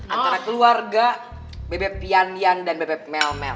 antara keluarga bebek pianian dan bebek mel mel